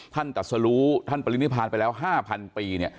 ท่านตัดสรุท่านปริภาณไปแล้ว๕๐๐๐ปีเนี่ย